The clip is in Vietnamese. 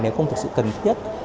nếu không thực sự cần thiết